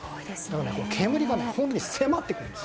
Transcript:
煙が本当に迫ってくるんです。